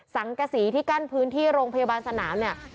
สังกษีที่กั้นพื้นที่โรงพยาบาลสนามเนี่ย